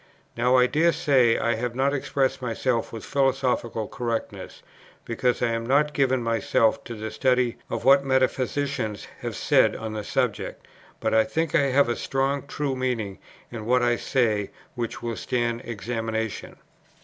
Now, I dare say, I have not expressed myself with philosophical correctness, because I have not given myself to the study of what metaphysicians have said on the subject; but I think I have a strong true meaning in what I say which will stand examination.